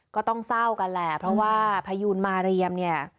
ก็ต้องเศร้ากันแหละเพราะว่าพยูนมาเรียมเนี่ย